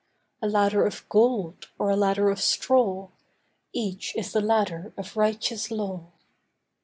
A ladder of gold, or a ladder of straw, Each is the ladder of righteous law.